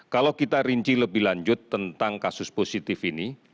kalau kita rinci lebih lanjut tentang kasus positif ini